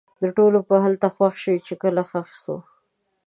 د ټولو به هلته خوښ شو؛ چې کله ښخ سو